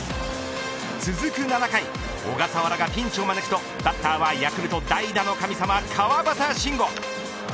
続く７回小笠原がピンチを招くとバッターはヤクルト代打の神様、川端慎吾。